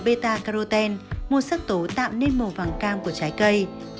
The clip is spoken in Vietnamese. beta carotene một sắc tố tạm nên màu vàng cam của trái cây